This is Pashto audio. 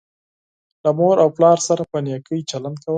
له مور او پلار سره په نیکۍ چلند کوه